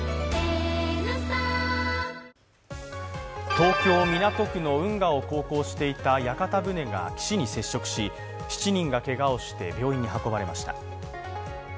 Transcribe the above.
東京・港区の運河を航行していた屋形船が岸に接触し７人がけがをして、病院に運ばれました。